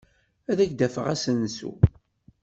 Ad ak-d-afeɣ asensu.